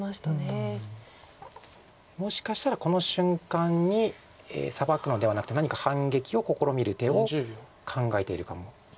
もしかしたらこの瞬間にサバくのではなくて何か反撃を試みる手を考えているかもしれないです。